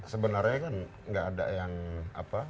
sebenarnya kan nggak ada yang apa